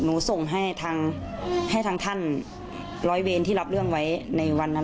หนูส่งให้ทางท่าน๑๐๐เวนที่รับเรื่องไว้ในวันนั้น